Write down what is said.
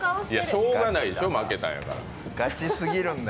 しょうがないでしょ、負けたんだから。